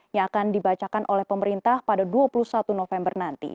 yang akan dibacakan oleh pemerintah pada dua puluh satu november nanti